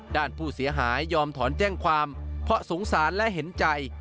ด้านผู้เสียหายยอมถอนแจ้งความเพราะสงสารและเห็นใจ